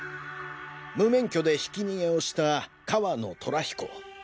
無免許でひき逃げをした川野寅彦。